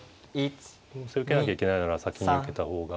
どうせ受けなきゃいけないなら先に受けた方が。